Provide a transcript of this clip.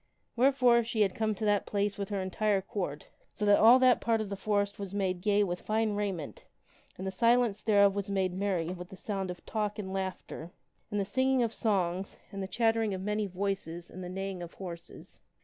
Wherefore she had come to that place with her entire Court so that all that part of the forest was made gay with fine raiment and the silence thereof was made merry with the sound of talk and laughter and the singing of songs and the chattering of many voices and the neighing of horses.